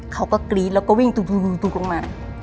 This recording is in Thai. เขาก็กรี๊ดแล้วก็วิ่งตุ้มลงมา